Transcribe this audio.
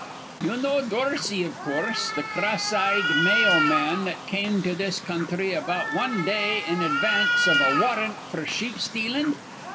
"You know Dorsey, iv coorse, th' cross eyed May o man that come to this counthry about wan day in advance iv a warrant f'r sheep stealin'?